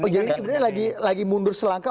oh jadi ini sebenarnya lagi mundur selangkah